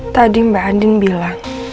tadi mbak andin bilang